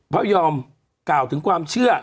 เพราะยอมกล่าวถึงความเชื่อ